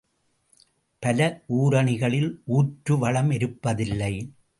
பல ஊருணிகளில் ஊற்று வளம் இருப்பதில்லை.